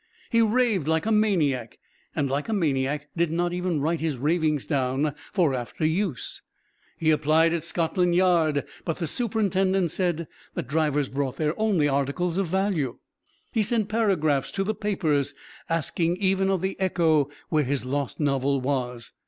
He raved like a maniac and like a maniac did not even write his ravings down for after use. He applied at Scotland Yard, but the superintendent said that drivers brought there only articles of value. He sent paragraphs to the papers, asking even of the Echo where his lost novel was.